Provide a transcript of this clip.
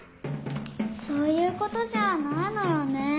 そういうことじゃないのよね。